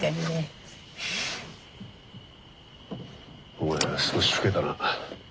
お前は少し老けたな。